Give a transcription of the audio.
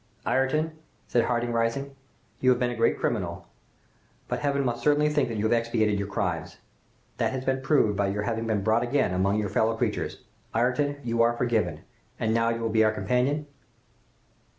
"Ayrton," said Harding, rising, "you have been a great criminal, but Heaven must certainly think that you have expiated your crimes! That has been proved by your having been brought again among your fellow creatures. Ayrton, you are forgiven! And now you will be our companion?"